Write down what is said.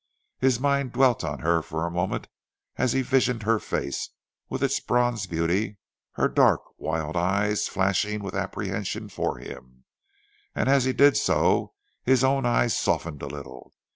His mind dwelt on her for a moment as he visioned her face with its bronze beauty, her dark, wild eyes flashing with apprehension for him, and as he did so his own eyes softened a little.